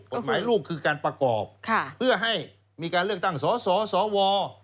กฎหมายลูกคือการประกอบเพื่อให้มีการเลือกตั้งสสสว